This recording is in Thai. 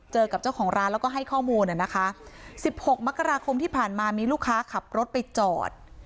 กับเจ้าของร้านแล้วก็ให้ข้อมูลนะคะสิบหกมกราคมที่ผ่านมามีลูกค้าขับรถไปจอด